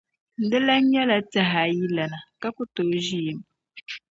Dilana nyɛla tɛhaayilana ka ku tooi ʒe yim.